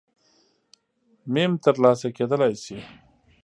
م ترلاسه کېدلای شي